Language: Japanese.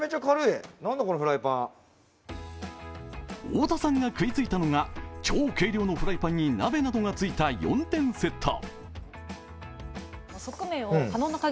太田さんが食いついたのが超軽量のフライパンに鍋などがついた４点セット。